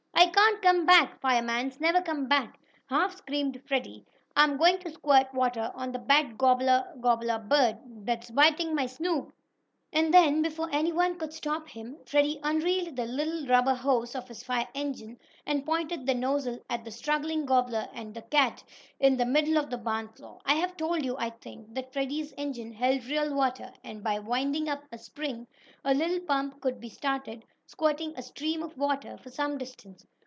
"I can't come back! Firemans never come back!" half screamed Freddie. "I'm going to squirt water on the bad gobble obble bird that's biting my Snoop!" And then, before anyone could stop him, Freddie unreeled the little rubber hose of his fire engine, and pointed the nozzle at the struggling gobbler and cat in the middle of the barn floor. I have told you, I think, that Freddie's engine held real water, and, by winding up a spring a little pump could be started, squirting a stream of water for some distance.